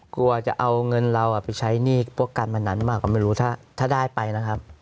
กลัวจะเอาเงินเราไปใช้หนี้พวกการพนันมากก็ไม่รู้ถ้าได้ไปนะครับ